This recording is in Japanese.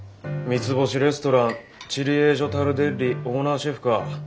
三ツ星レストランチリエージョ・タルデッリオーナーシェフか。